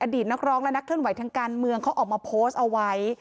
นักร้องและนักเคลื่อนไหวทางการเมืองเขาออกมาโพสต์เอาไว้